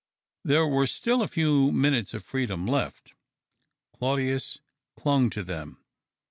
There were still a few minutes of freedom left. Claudius clung to them.